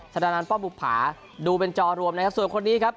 ธนานันป้อมบุภาดูเป็นจอรวมนะครับส่วนคนนี้ครับ